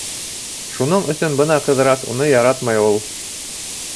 Шуның өсөн бына Ҡыҙырас уны яратмай ул.